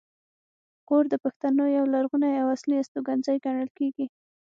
غور د پښتنو یو لرغونی او اصلي استوګنځی ګڼل کیږي